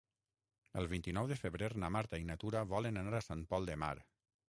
El vint-i-nou de febrer na Marta i na Tura volen anar a Sant Pol de Mar.